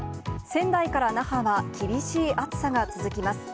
仙台から那覇は厳しい暑さが続きます。